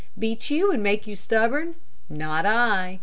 Beat you and make you stubborn? Not I.